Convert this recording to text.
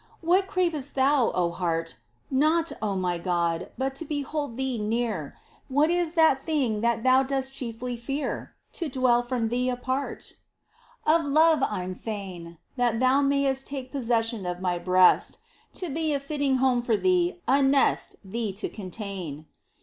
What cravest thou, heart ? Naught, O my God, but to behold Thee near ! What is the thing that thou dost chiefly fear ? To dwell from Thee apart ! Of love I'm fain. That Thou mayst take possession of my breast To be a fitting home for Thee, a nest Thee to contain.